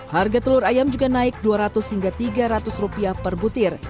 harga telur ayam juga naik rp dua ratus hingga rp tiga ratus per butir